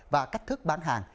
và cách thức bán hàng